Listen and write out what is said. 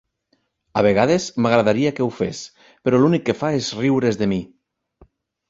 A vegades, m'agradaria que ho fes, però l'únic que fa és riure's de mi.